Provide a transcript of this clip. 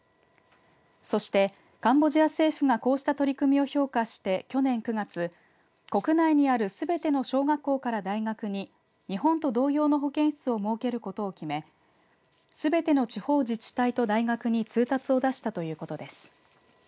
そしてカンボジア政府がこうした取り組みを評価して去年９月国内にあるすべての小学校から大学に日本と同様の保健室を設けることを決めすべての地方自治体と大学に通達を出したということです。